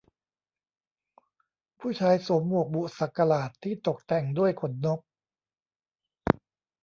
ผู้ชายสวมหมวกบุสักหลาดที่ตกแต่งด้วยขนนก